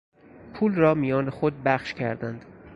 پول را میان خود بخش کردند.